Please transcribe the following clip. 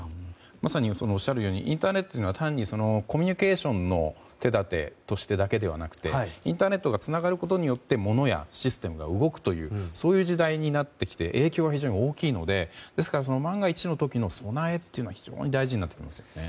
まさにおっしゃるようにインターネットは単なるコミュニケーションの手立てとしてだけではなくてインターネットがつながることによって物やシステムが動くという時代になってきて影響が非常に大きいので万が一のための備えは非常に大事ですよね。